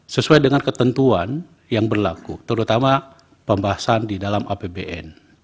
sesuai dengan ketentuan yang berlaku terutama pembahasan di dalam apbn